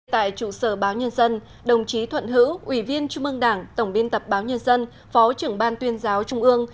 tại trụ sở báo nhân dân đồng chí thuận hữu ủy viên trung ương đảng tổng biên tập báo nhân dân phó trưởng ban tuyên giáo trung ương